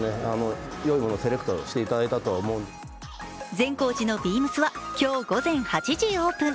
善光寺のＢＥＡＭＳは今日午前８時オープン。